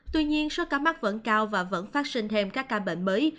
tuy nhiên số ca mắc vẫn cao và vẫn phát sinh thêm các ca bệnh mới